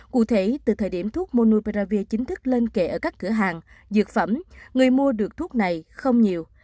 cụ thể từ thời điểm thuốc monubravir chính thức lên kệ ở các cửa hàng dược phẩm người mua được thuốc này không nhiều